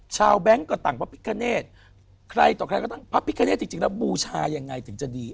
ชาวแบงค์ก็ตั้งพระพิการเนธพระพิการเนธจริงแล้วบูชายังไงถึงจะดี